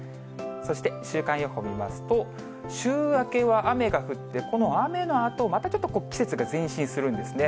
そして、週間予報見ますと、週明けは雨が降って、この雨のあと、またちょっと季節が前進するんですね。